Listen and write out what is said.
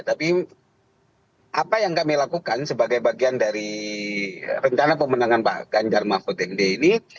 tapi apa yang kami lakukan sebagai bagian dari rencana pemenangan pak ganjar mahfud md ini